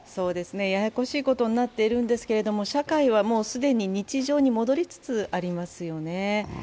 ややこしいことになっているんですけれども社会はもう日常に戻りつつありますよね。